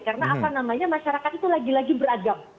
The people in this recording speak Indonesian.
karena apa namanya masyarakat itu lagi lagi beragam